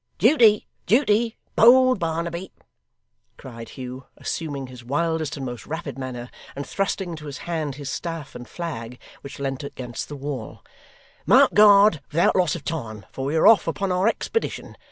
'Duty, duty, bold Barnaby!' cried Hugh, assuming his wildest and most rapid manner, and thrusting into his hand his staff and flag which leant against the wall. 'Mount guard without loss of time, for we are off upon our expedition.